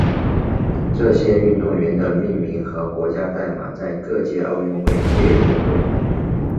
这些运动员的命名和国家代码在各届奥运会略有不同。